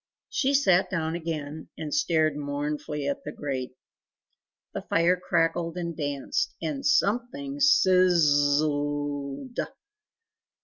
She sat down again, and stared mournfully at the grate. The fire crackled and danced, and something sizz z zled!